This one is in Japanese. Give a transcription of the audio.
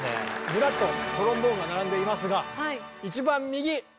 ずらっとトロンボーンが並んでいますが一番右！